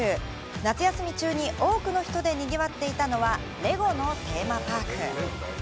夏休み中に多くの人で賑わっていたのはレゴのテーマパーク。